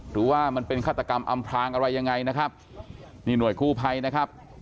หรือว่ามันเป็นฆาตกรรมอำพลางอะไรยังไงนะครับนี่หน่วยกู้ภัยนะครับ